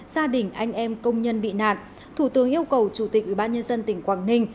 gia đình anh em công nhân bị nạn thủ tướng yêu cầu chủ tịch ubnd tỉnh quảng ninh